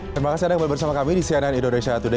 terima kasih anda kembali bersama kami di cnn indonesia today